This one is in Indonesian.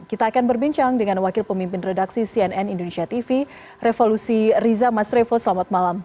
kita akan berbincang dengan wakil pemimpin redaksi cnn indonesia tv revolusi riza mas revo selamat malam